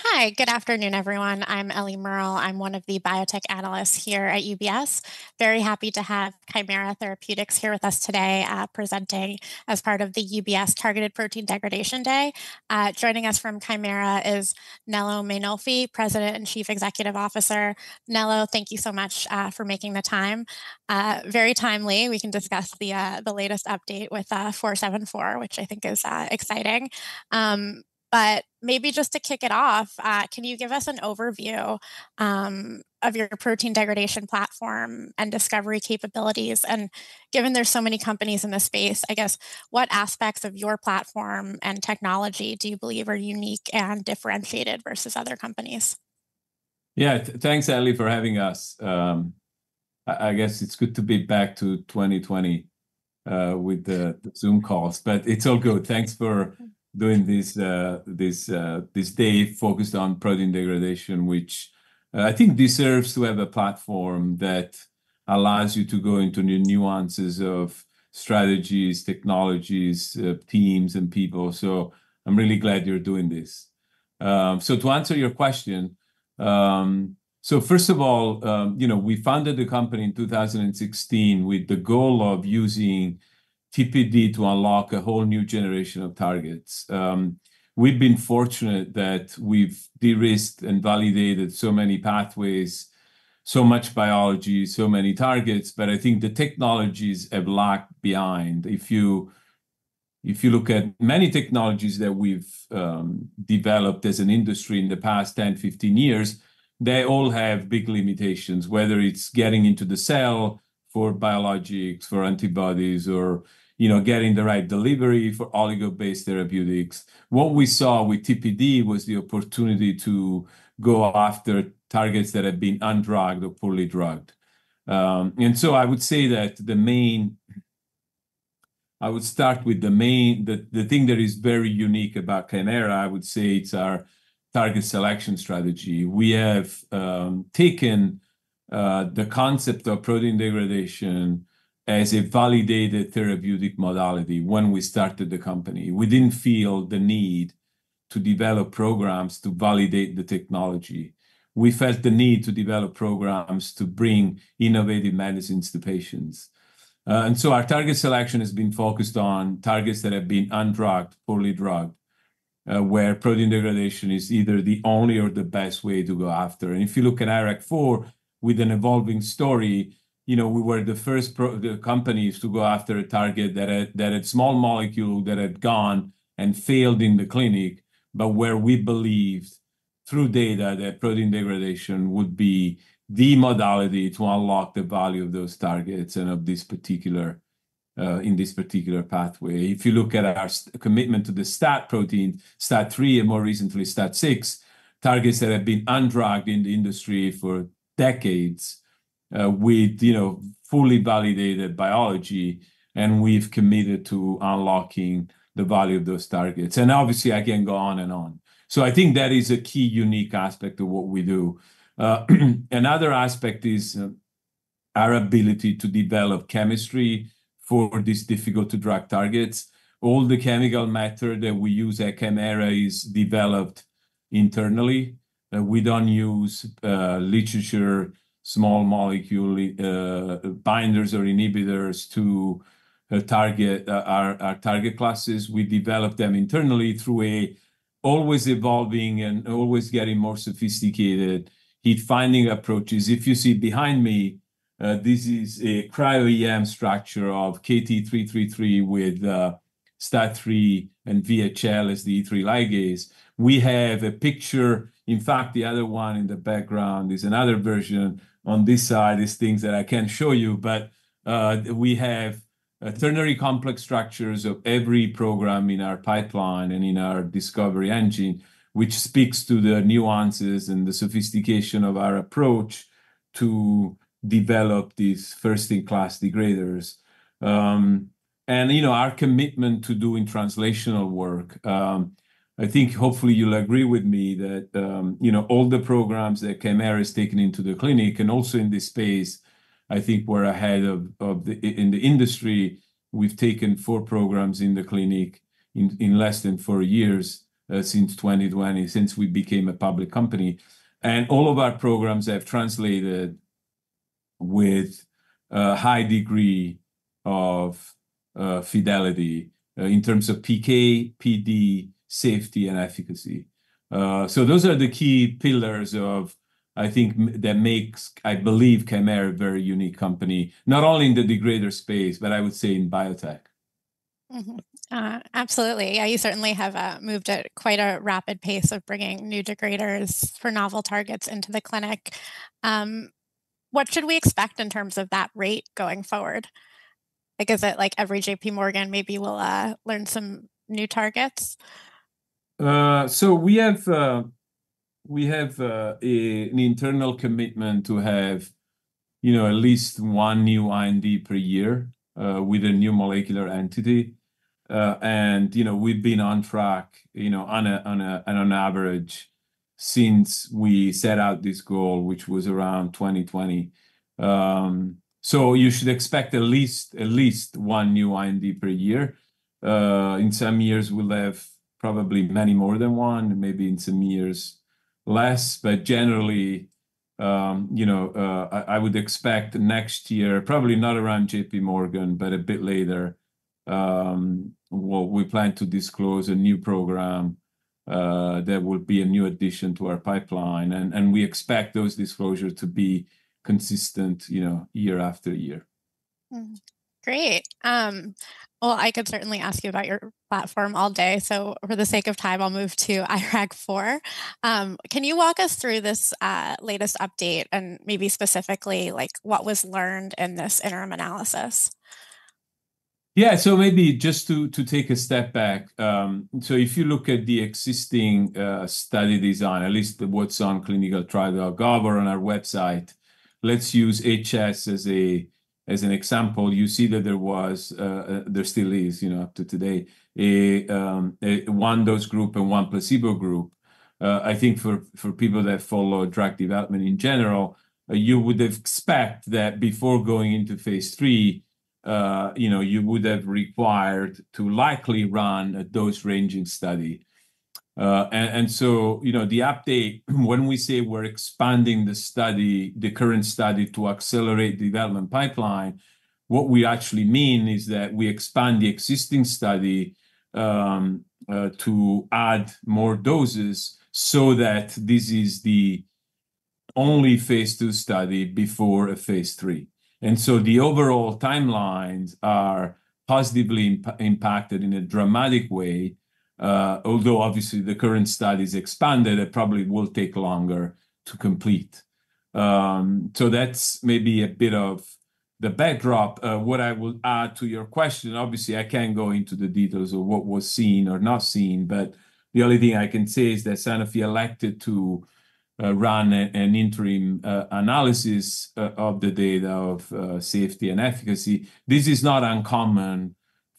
Hi, good afternoon, everyone. I'm Eliana Merle. I'm one of the biotech analysts here at UBS. Very happy to have Kymera Therapeutics here with us today, presenting as part of the UBS Targeted Protein Degradation Day. Joining us from Kymera is Nello Mainolfi, President and Chief Executive Officer. Nello, thank you so much for making the time. Very timely, we can discuss the latest update with 474, which I think is exciting. But maybe just to kick it off, can you give us an overview of your protein degradation platform and discovery capabilities? And given there's so many companies in this space, I guess, what aspects of your platform and technology do you believe are unique and differentiated versus other companies? Yeah. Thanks, Ellie, for having us. I guess it's good to be back to 2020 with the Zoom calls, but it's all good. Thanks for doing this, this day focused on protein degradation, which I think deserves to have a platform that allows you to go into new nuances of strategies, technologies, teams, and people, so I'm really glad you're doing this. So to answer your question, so first of all, you know, we founded the company in 2016 with the goal of using TPD to unlock a whole new generation of targets. We've been fortunate that we've de-risked and validated so many pathways, so much biology, so many targets, but I think the technologies have lagged behind. If you, if you look at many technologies that we've developed as an industry in the past 10, 15 years, they all have big limitations, whether it's getting into the cell for biologics, for antibodies, or, you know, getting the right delivery for oligo-based therapeutics. What we saw with TPD was the opportunity to go after targets that had been undrugged or poorly drugged. And so I would say that the main thing that is very unique about Kymera, I would say, it's our target selection strategy. We have taken the concept of protein degradation as a validated therapeutic modality when we started the company. We didn't feel the need to develop programs to validate the technology. We felt the need to develop programs to bring innovative medicines to patients. And so our target selection has been focused on targets that have been undrugged, poorly drugged, where protein degradation is either the only or the best way to go after. And if you look at IRAK4 with an evolving story, you know, we were the first of the companies to go after a target that had small molecule that had gone and failed in the clinic, but where we believed, through data, that protein degradation would be the modality to unlock the value of those targets and of this particular, in this particular pathway. If you look at our commitment to the STAT protein, STAT3, and more recently, STAT6, targets that have been undrugged in the industry for decades, with, you know, fully validated biology, and we've committed to unlocking the value of those targets. And obviously, I can go on and on. So I think that is a key, unique aspect of what we do. Another aspect is our ability to develop chemistry for these difficult to drug targets. All the chemical matter that we use at Kymera is developed internally. We don't use literature, small molecule binders or inhibitors to target our target classes. We develop them internally through always evolving and always getting more sophisticated hit finding approaches. If you see behind me, this is a cryo-EM structure of KT-333 with STAT3 and VHL is the E3 ligase. We have a picture, in fact, the other one in the background is another version. On this side is things that I can show you, but we have ternary complex structures of every program in our pipeline and in our discovery engine, which speaks to the nuances and the sophistication of our approach to develop these first-in-class degraders. You know, our commitment to doing translational work. I think hopefully you'll agree with me that you know, all the programs that Kymera has taken into the clinic and also in this space, I think we're ahead of the industry. We've taken four programs in the clinic in less than four years, since 2020, since we became a public company, and all of our programs have translated with a high degree of fidelity in terms of PK, PD, safety, and efficacy. So those are the key pillars of, I think, that makes, I believe, Kymera a very unique company, not only in the degrader space, but I would say in biotech. Absolutely. Yeah, you certainly have moved at quite a rapid pace of bringing new degraders for novel targets into the clinic. What should we expect in terms of that rate going forward? I guess, at, like, every J.P. Morgan, maybe we'll learn some new targets. So we have an internal commitment to have, you know, at least one new IND per year with a new molecular entity. And, you know, we've been on track, you know, on an average since we set out this goal, which was around 2020. So you should expect at least one new IND per year. In some years, we'll have probably many more than one, and maybe in some years less. But generally, you know, I would expect next year, probably not around J.P. Morgan, but a bit later, well, we plan to disclose a new program that will be a new addition to our pipeline, and we expect those disclosures to be consistent, you know, year after year. Great. Well, I could certainly ask you about your platform all day, so for the sake of time, I'll move to IRAK4. Can you walk us through this latest update, and maybe specifically, like, what was learned in this interim analysis? Yeah, so maybe just to take a step back. So if you look at the existing study design, at least what's on ClinicalTrials.gov or on our website, let's use HS as an example, you see that there was there still is, you know, up to today, a one dose group and one placebo group. I think for people that follow drug development in general, you would expect that before going into phase 3, you know, you would have required to likely run a dose ranging study. And so, you know, the update, when we say we're expanding the study, the current study to accelerate development pipeline, what we actually mean is that we expand the existing study to add more doses, so that this is the only phase 2 study before a phase 3. The overall timelines are positively impacted in a dramatic way, although obviously the current study's expanded, it probably will take longer to complete. That's maybe a bit of the backdrop. What I would add to your question, obviously, I can't go into the details of what was seen or not seen, but the only thing I can say is that Sanofi elected to run an interim analysis of the data of safety and efficacy. This is not uncommon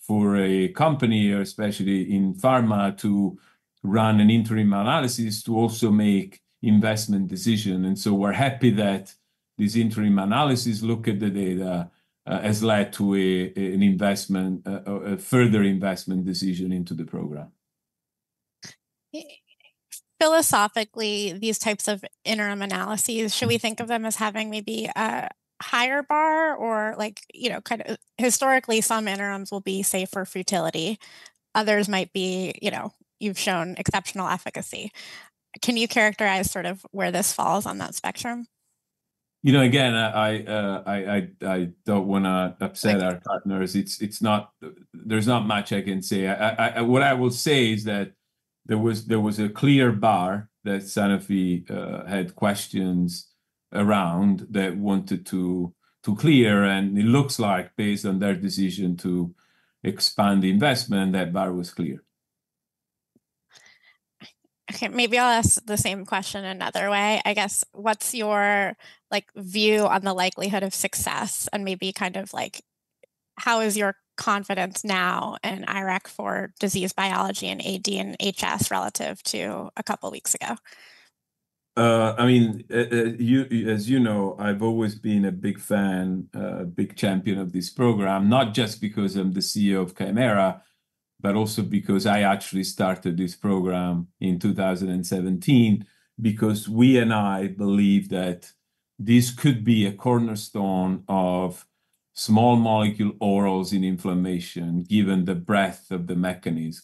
for a company, especially in pharma, to run an interim analysis to also make investment decision, and so we're happy that this interim analysis look at the data has led to an investment, a further investment decision into the program. Philosophically, these types of interim analyses, should we think of them as having maybe a higher bar or, like, you know, kind of... Historically, some interims will be, say, for futility, others might be, you know, you've shown exceptional efficacy. Can you characterize sort of where this falls on that spectrum? You know, again, I don't wanna upset our partners. It's not. There's not much I can say. What I will say is that there was a clear bar that Sanofi had questions around that wanted to clear, and it looks like, based on their decision to expand the investment, that bar was clear. Okay, maybe I'll ask the same question another way. I guess, what's your, like, view on the likelihood of success, and maybe kind of like, how is your confidence now in IRAK4 disease biology in AD and HS, relative to a couple of weeks ago? I mean, you, as you know, I've always been a big fan, a big champion of this program, not just because I'm the CEO of Kymera, but also because I actually started this program in 2017. Because we and I believe that this could be a cornerstone of small molecule orals in inflammation, given the breadth of the mechanism.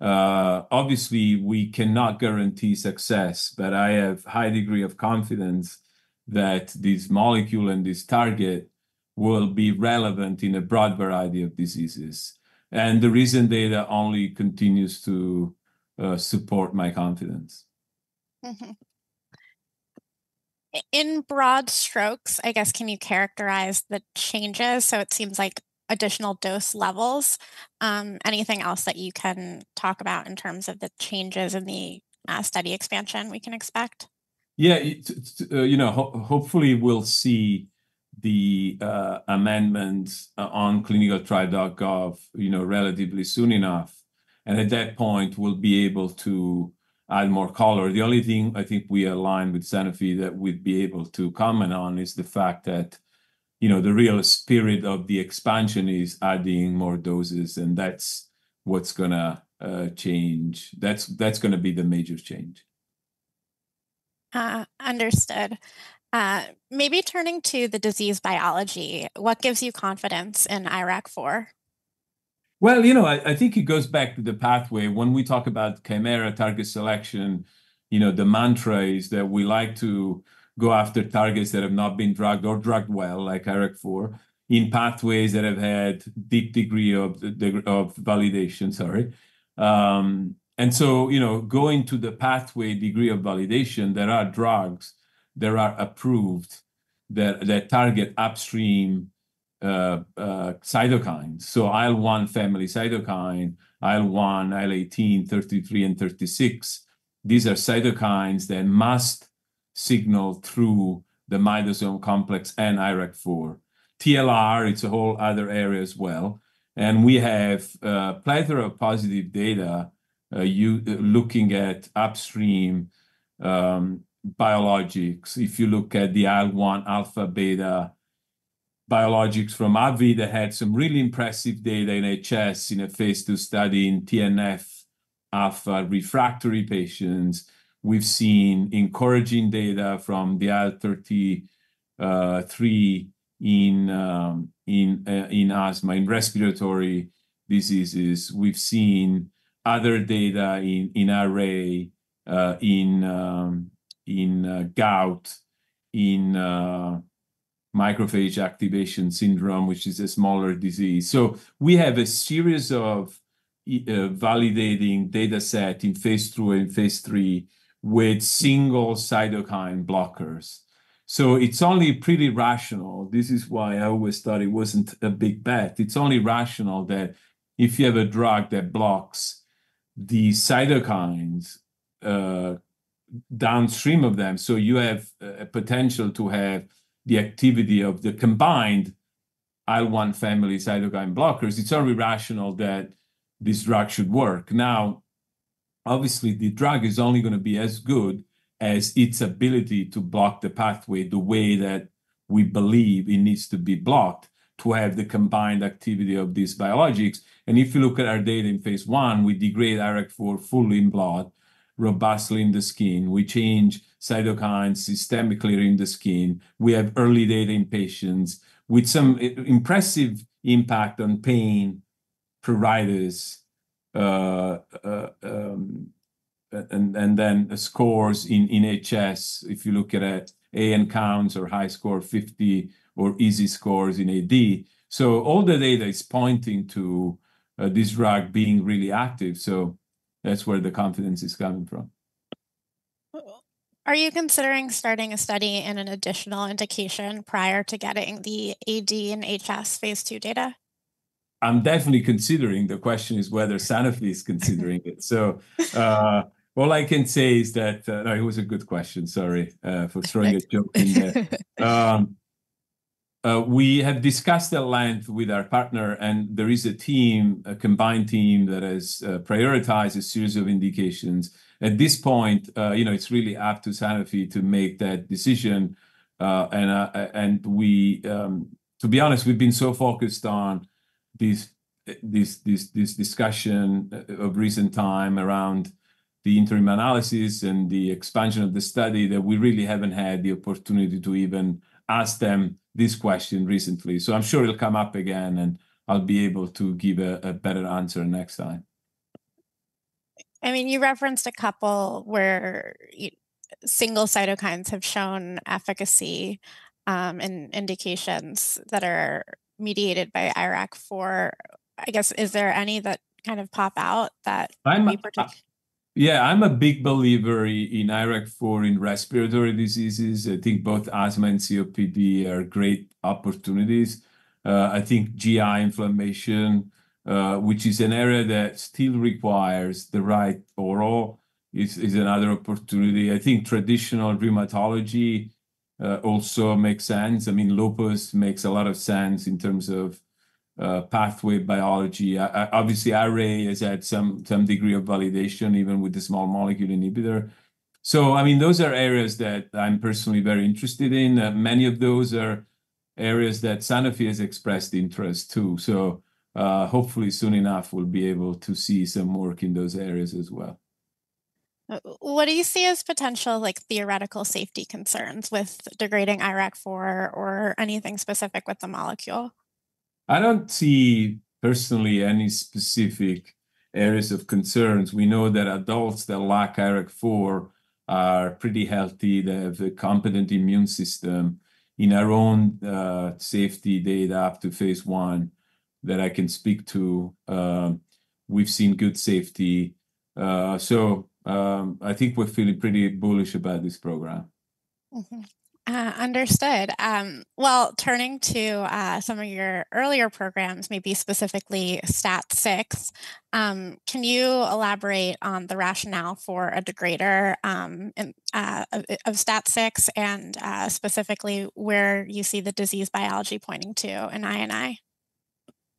Obviously, we cannot guarantee success, but I have high degree of confidence that this molecule and this target will be relevant in a broad variety of diseases, and the recent data only continues to support my confidence. In broad strokes, I guess, can you characterize the changes? So it seems like additional dose levels. Anything else that you can talk about in terms of the changes in the study expansion we can expect? Yeah, it, you know, hopefully, we'll see the amendment on ClinicalTrials.gov, you know, relatively soon enough, and at that point, we'll be able to add more color. The only thing I think we aligned with Sanofi that we'd be able to comment on is the fact that, you know, the real spirit of the expansion is adding more doses, and that's what's gonna change. That's, that's gonna be the major change. Understood. Maybe turning to the disease biology, what gives you confidence in IRAK4? Well, you know, I think it goes back to the pathway. When we talk about Kymera target selection, you know, the mantra is that we like to go after targets that have not been drugged or drugged well, like IRAK4, in pathways that have had deep degree of validation, sorry. And so, you know, going to the pathway degree of validation, there are drugs that are approved that target upstream cytokines. So IL-1 family cytokine, IL-1, IL-18, IL-33, and IL-36, these are cytokines that must signal through the myddosome complex and IRAK4. TLR, it's a whole other area as well, and we have a plethora of positive data looking at upstream biologics. If you look at the IL-1 alpha, beta. Biologics from AbbVie that had some really impressive data in HS in a phase 2 study in TNF alpha refractory patients. We've seen encouraging data from the IL-33 in asthma, in respiratory diseases. We've seen other data in RA, in gout, in macrophage activation syndrome, which is a smaller disease. So we have a series of validating data set in phase 2 and phase 3 with single cytokine blockers. So it's only pretty rational. This is why I always thought it wasn't a big bet. It's only rational that if you have a drug that blocks the cytokines downstream of them, so you have a potential to have the activity of the combined IL-1 family cytokine blockers, it's only rational that this drug should work. Now, obviously, the drug is only gonna be as good as its ability to block the pathway the way that we believe it needs to be blocked to have the combined activity of these biologics. And if you look at our data in phase 1, we degrade IRAK4 fully in blood, robustly in the skin. We change cytokines systemically in the skin. We have early data in patients with some impressive impact on pain profiles, and then scores in HS, if you look at AN counts or HiSCR50 or EASI scores in AD. So all the data is pointing to this drug being really active, so that's where the confidence is coming from. Cool. Are you considering starting a study in an additional indication prior to getting the AD and HS phase 2 data? I'm definitely considering. The question is whether Sanofi is considering it. So, all I can say is that... No, it was a good question. Sorry, for throwing a joke in there. We have discussed at length with our partner, and there is a team, a combined team that has prioritised a series of indications. At this point, you know, it's really up to Sanofi to make that decision. And, and we-- To be honest, we've been so focused on this, this, this, this discussion of recent time around the interim analysis and the expansion of the study, that we really haven't had the opportunity to even ask them this question recently. So I'm sure it'll come up again, and I'll be able to give a better answer next time. I mean, you referenced a couple where single cytokines have shown efficacy in indications that are mediated by IRAK4. I guess, is there any that kind of pop out that. I'm a. In particular? Yeah, I'm a big believer in IRAK4 in respiratory diseases. I think both asthma and COPD are great opportunities. I think GI inflammation, which is an area that still requires the right oral, is another opportunity. I think traditional rheumatology also makes sense. I mean, lupus makes a lot of sense in terms of pathway biology. Obviously, IRAK4 is at some degree of validation, even with the small molecule inhibitor. So, I mean, those are areas that I'm personally very interested in. Many of those are areas that Sanofi has expressed interest, too. So, hopefully, soon enough, we'll be able to see some work in those areas as well. What do you see as potential, like, theoretical safety concerns with degrading IRAK4 or anything specific with the molecule? I don't see, personally, any specific areas of concerns. We know that adults that lack IRAK4 are pretty healthy. They have a competent immune system. In our own safety data up to phase 1 that I can speak to, we've seen good safety. So, I think we're feeling pretty bullish about this program. Understood. Well, turning to some of your earlier programs, maybe specifically STAT6, can you elaborate on the rationale for a degrader and of STAT6, and specifically, where you see the disease biology pointing to in INI?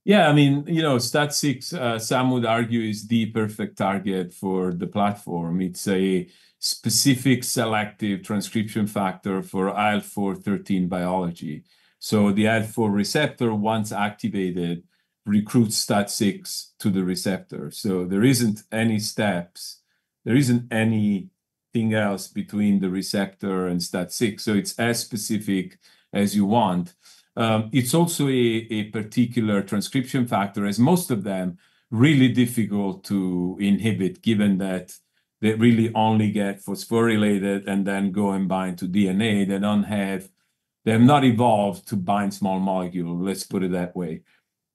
Yeah, I mean, you know, STAT6, some would argue, is the perfect target for the platform. It's a specific selective transcription factor for IL-4/13 biology. So the IL-4 receptor, once activated, recruits STAT6 to the receptor. So there isn't any steps, there isn't anything else between the receptor and STAT6, so it's as specific as you want. It's also a particular transcription factor, as most of them, really difficult to inhibit, given that they really only get phosphorylated and then go and bind to DNA. They don't have. They're not evolved to bind small molecule, let's put it that way.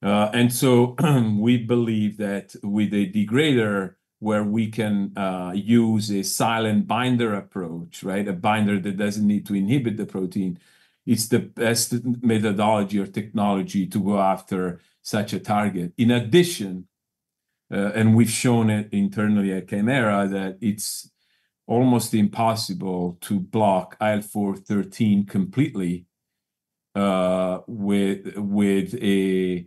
And so, we believe that with a degrader, where we can, use a silent binder approach, right, a binder that doesn't need to inhibit the protein, it's the best methodology or technology to go after such a target. In addition, we've shown it internally at Kymera, that it's almost impossible to block IL-4/13 completely with a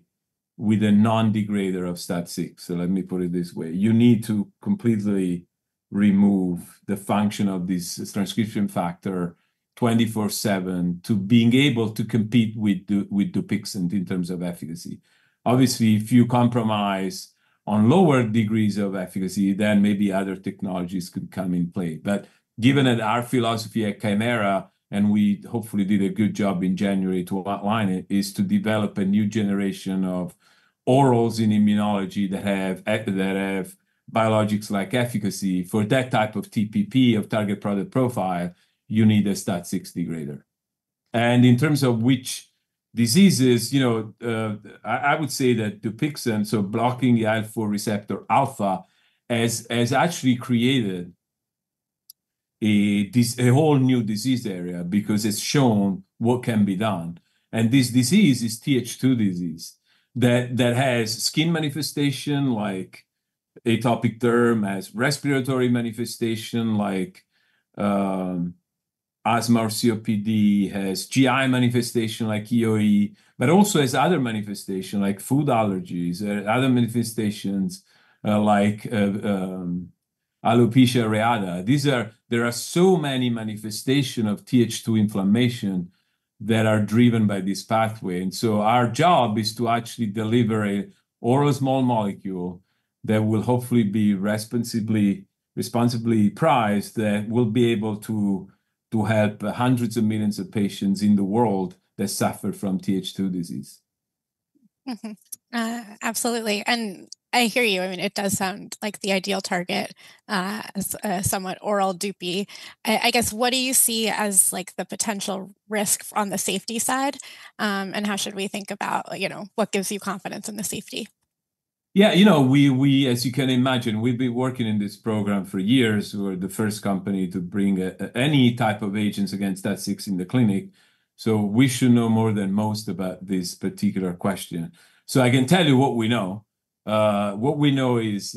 non-degrader of STAT6. So let me put it this way: you need to completely remove the function of this transcription factor 24/7 to being able to compete with Dupixent in terms of efficacy. Obviously, if you compromise on lower degrees of efficacy, then maybe other technologies could come in play. But given that our philosophy at Kymera, and we hopefully did a good job in January to outline it, is to develop a new generation of orals in immunology that have biologics-like efficacy. For that type of TPP, Target Product Profile, you need a STAT6 degrader. And in terms of which diseases, you know, I would say that Dupixent, so blocking the IL-4 receptor alpha, has actually created a whole new disease area because it's shown what can be done. And this disease is Th2 disease that has skin manifestation, like atopic derm, has respiratory manifestation, like asthma or COPD, has GI manifestation, like EoE, but also has other manifestation, like food allergies, other manifestations, like alopecia areata. There are so many manifestation of Th2 inflammation that are driven by this pathway, and so our job is to actually deliver an oral small molecule that will hopefully be responsibly priced, that will be able to help hundreds of millions of patients in the world that suffer from Th2 disease. Absolutely, and I hear you. I mean, it does sound like the ideal target as a somewhat oral Dupixent. I guess, what do you see as, like, the potential risk on the safety side, and how should we think about, like, you know, what gives you confidence in the safety? Yeah, you know, we, as you can imagine, we've been working in this program for years. We're the first company to bring any type of agents against STAT6 in the clinic, so we should know more than most about this particular question. So I can tell you what we know. What we know is,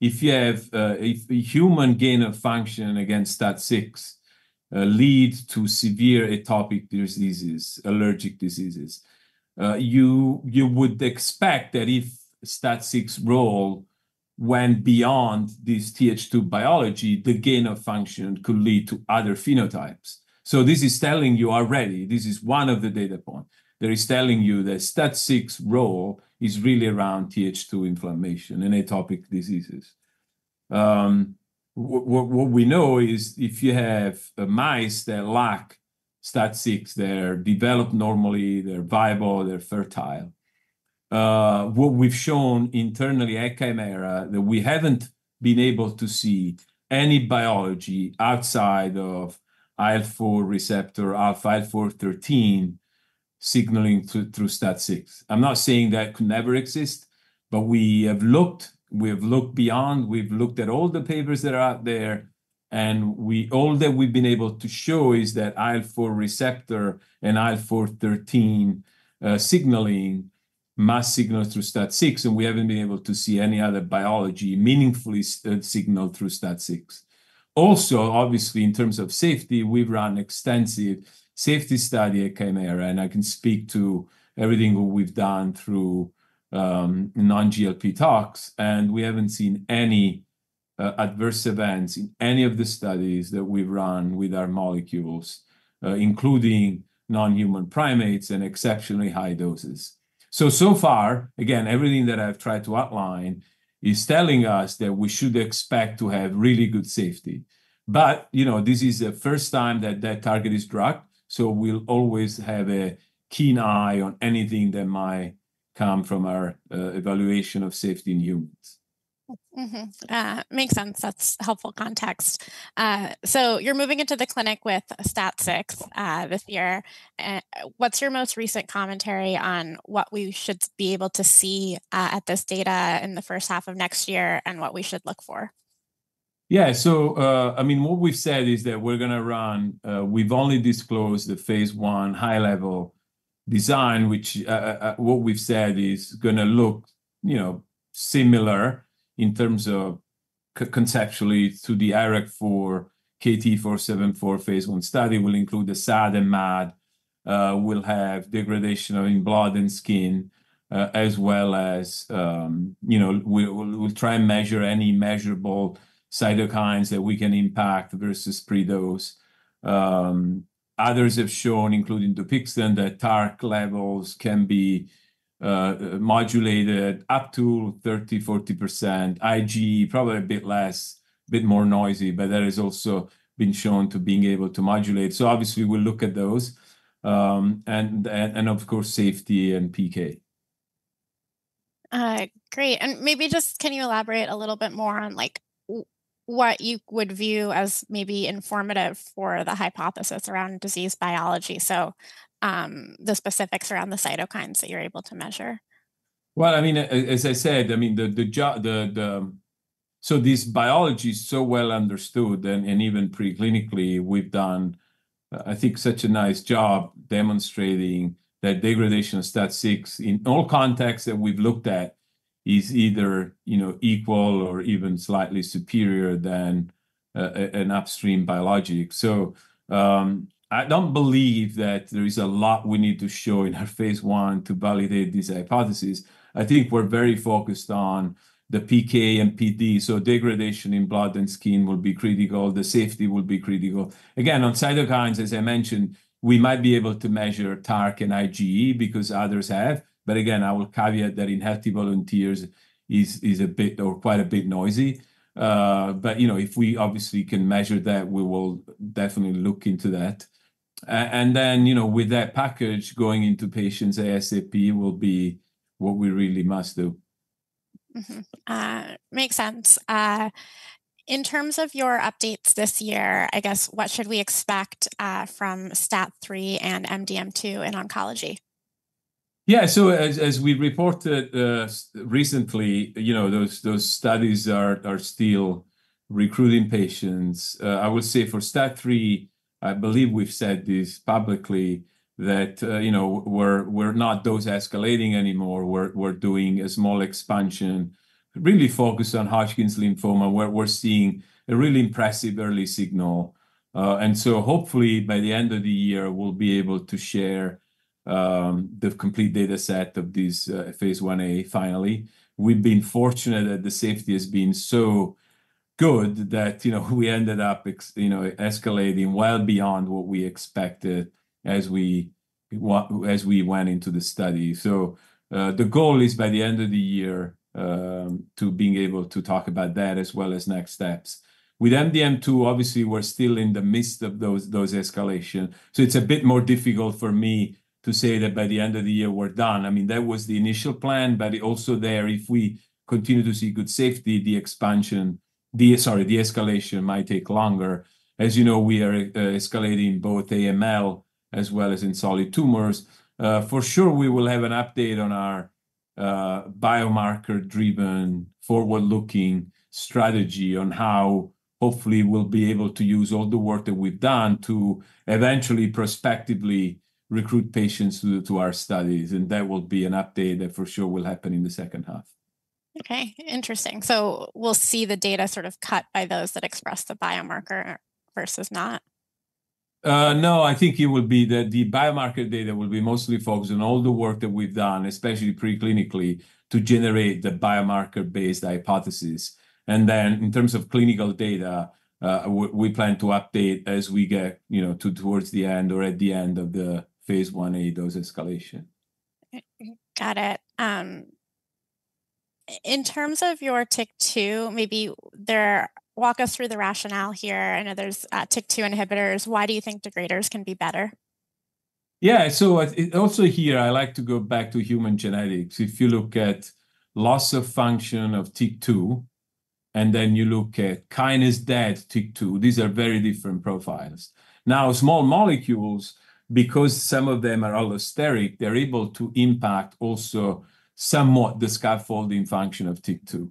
if a human gain-of-function against STAT6 leads to severe atopic diseases, allergic diseases, you would expect that if STAT6 role went beyond this Th2 biology, the gain of function could lead to other phenotypes. So this is telling you already, this is one of the data point that is telling you that STAT6 role is really around Th2 inflammation and atopic diseases. What we know is if you have mice that lack STAT6, they're developed normally, they're viable, they're fertile. What we've shown internally at Kymera, that we haven't been able to see any biology outside of IL-4 receptor, IL-4/13 signaling through STAT6. I'm not saying that could never exist, but we have looked, we have looked beyond, we've looked at all the papers that are out there, and all that we've been able to show is that IL-4 receptor and IL-13, signaling must signal through STAT6, and we haven't been able to see any other biology meaningfully signal through STAT6. Also, obviously, in terms of safety, we've run extensive safety study at Kymera, and I can speak to everything that we've done through non-GLP tox, and we haven't seen any adverse events in any of the studies that we've run with our molecules, including non-human primates and exceptionally high doses. So, so far, again, everything that I've tried to outline is telling us that we should expect to have really good safety. But, you know, this is the first time that that target is drugged, so we'll always have a keen eye on anything that might come from our evaluation of safety in humans. Makes sense. That's helpful context. So you're moving into the clinic with STAT6 this year. What's your most recent commentary on what we should be able to see at this data in the first half of next year, and what we should look for? Yeah. So, I mean, what we've said is that we're gonna run. We've only disclosed the phase 1 high-level design, which, what we've said is gonna look, you know, similar in terms of conceptually to the IRAK4, KT-474 phase 1 study, will include the SAD and MAD, will have degradation in blood and skin, as well as, you know, we'll try and measure any measurable cytokines that we can impact versus pre-dose. Others have shown, including Dupixent, that TARC levels can be modulated up to 30, 40%, IgE probably a bit less, bit more noisy, but that has also been shown to be able to modulate. So obviously, we'll look at those, and of course, safety and PK. Great. Maybe just can you elaborate a little bit more on, like, what you would view as maybe informative for the hypothesis around disease biology? So, the specifics around the cytokines that you're able to measure. Well, I mean, as I said, I mean, So this biology is so well understood, and even pre-clinically, we've done, I think, such a nice job demonstrating that degradation of STAT6 in all contexts that we've looked at is either, you know, equal or even slightly superior than an upstream biologic. So, I don't believe that there is a lot we need to show in our phase I to validate these hypothesis. I think we're very focused on the PK and PD, so degradation in blood and skin will be critical, the safety will be critical. Again, on cytokines, as I mentioned, we might be able to measure TARC and IgE because others have, but again, I will caveat that in healthy volunteers is a bit or quite a bit noisy. But, you know, if we obviously can measure that, we will definitely look into that. And then, you know, with that package, going into patients ASAP will be what we really must do. Makes sense. In terms of your updates this year, I guess what should we expect from STAT3 and MDM2 in oncology? Yeah. So as we reported recently, you know, those studies are still recruiting patients. I would say for STAT3, I believe we've said this publicly, that, you know, we're not dose escalating anymore. We're doing a small expansion, really focused on Hodgkin's lymphoma, where we're seeing a really impressive early signal. And so hopefully by the end of the year, we'll be able to share the complete data set of this phase 1A finally. We've been fortunate that the safety has been so good that, you know, we ended up escalating well beyond what we expected as we went into the study. So the goal is by the end of the year to be able to talk about that as well as next steps. With MDM2, obviously, we're still in the midst of those escalation, so it's a bit more difficult for me to say that by the end of the year, we're done. I mean, that was the initial plan, but also there, if we continue to see good safety, the expansion, sorry, the escalation might take longer. As you know, we are escalating both AML as well as in solid tumors. For sure, we will have an update on our biomarker-driven, forward-looking strategy on how hopefully we'll be able to use all the work that we've done to eventually, prospectively recruit patients to our studies, and that will be an update that for sure will happen in the second half. Okay, interesting. So we'll see the data sort of cut by those that express the biomarker versus not? No, I think it will be that the biomarker data will be mostly focused on all the work that we've done, especially pre-clinically, to generate the biomarker-based hypothesis. Then in terms of clinical data, we plan to update as we get, you know, towards the end or at the end of the phase 1A dose escalation. Got it. In terms of your TYK2, maybe walk us through the rationale here. I know there's TYK2 inhibitors. Why do you think degraders can be better? Yeah. So, also here, I like to go back to human genetics. If you look at loss of function of TYK2, and then you look at kinase dead TYK2, these are very different profiles. Now, small molecules, because some of them are allosteric, they're able to impact also somewhat the scaffolding function of TYK2.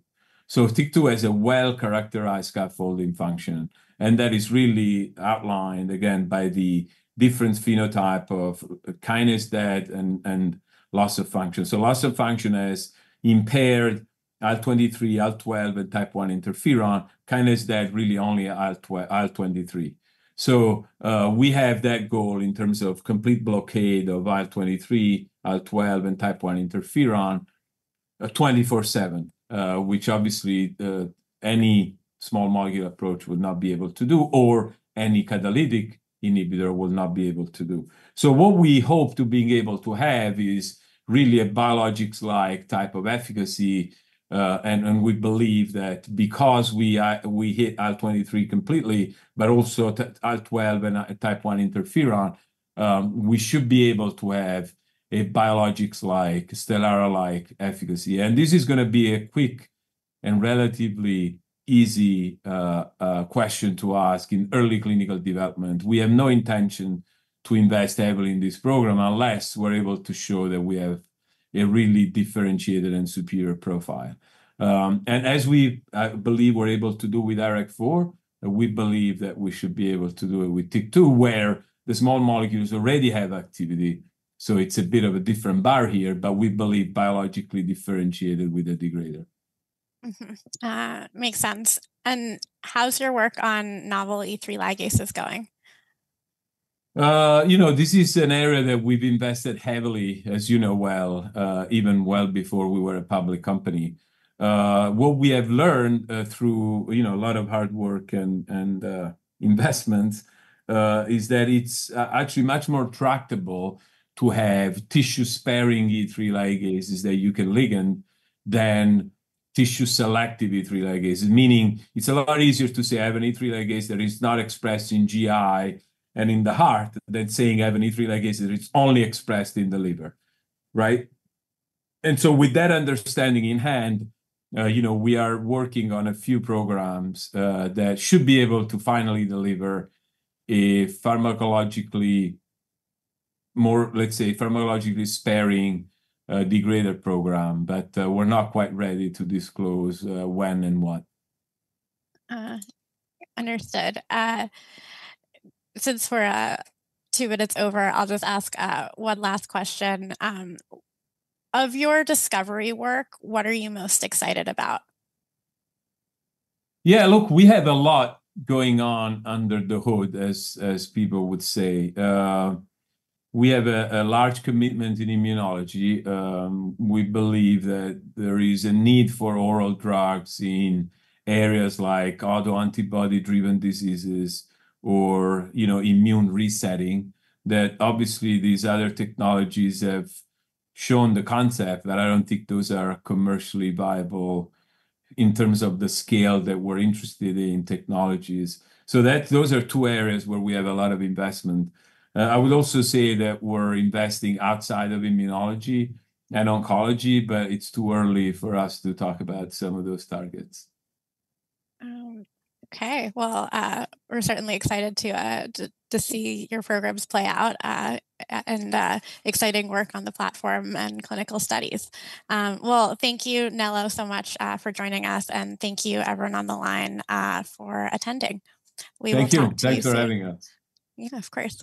So TYK2 has a well-characterized scaffolding function, and that is really outlined, again, by the different phenotype of kinase dead and loss of function. So loss of function is impaired IL-23, IL-12, and Type I interferon. Kinase dead, really only IL-23. So, we have that goal in terms of complete blockade of IL-23, IL-12, and Type I interferon, 24/7, which obviously, any small molecule approach would not be able to do, or any catalytic inhibitor will not be able to do. So what we hope to being able to have is really a biologics-like type of efficacy, and we believe that because we are, we hit IL-23 completely, but also IL-12 and Type I interferon, we should be able to have a biologics-like, Stelara-like efficacy. And this is gonna be a quick and relatively easy question to ask in early clinical development. We have no intention to invest heavily in this program unless we're able to show that we have a really differentiated and superior profile. And as we believe we're able to do with IRAK4, we believe that we should be able to do it with TYK2, where the small molecules already have activity, so it's a bit of a different bar here, but we believe biologically differentiated with a degrader. Makes sense. And how's your work on novel E3 ligases going? You know, this is an area that we've invested heavily, as you know well, even well before we were a public company. What we have learned through you know, a lot of hard work and investments is that it's actually much more tractable to have tissue-sparing E3 ligases that you can ligand than tissue-selective E3 ligases. Meaning, it's a lot easier to say, "I have an E3 ligase that is not expressed in GI and in the heart," than saying, "I have an E3 ligase that is only expressed in the liver," right? And so with that understanding in hand, you know, we are working on a few programs that should be able to finally deliver a pharmacologically more, let's say, pharmacologically sparing degrader program, but we're not quite ready to disclose when and what. Understood. Since we're two minutes over, I'll just ask one last question. Of your discovery work, what are you most excited about? Yeah, look, we have a lot going on under the hood, as people would say. We have a large commitment in immunology. We believe that there is a need for oral drugs in areas like autoantibody-driven diseases or, you know, immune resetting, that obviously these other technologies have shown the concept, but I don't think those are commercially viable in terms of the scale that we're interested in technologies. So that those are two areas where we have a lot of investment. I would also say that we're investing outside of immunology and oncology, but it's too early for us to talk about some of those targets. Okay. Well, we're certainly excited to see your programs play out, and exciting work on the platform and clinical studies. Well, thank you, Nello, so much for joining us, and thank you everyone on the line for attending. We will talk to you soon. Thank you. Thanks for having us. Yeah, of course.